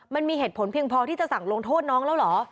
มันมีเหตุผลเพียงพอที่จะสั่งลงโทษน้องแล้วเหรอ